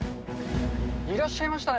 いらっしゃいましたね。